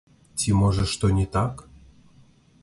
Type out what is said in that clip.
Ці, можа, што не так?